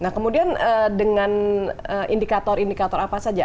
nah kemudian dengan indikator indikator apa saja